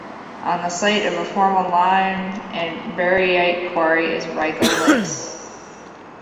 On the site of a former lime and baryte quarry, is Raygill Lakes.